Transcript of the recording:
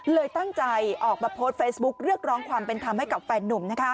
ตั้งใจออกมาโพสต์เฟซบุ๊คเรียกร้องความเป็นธรรมให้กับแฟนนุ่ม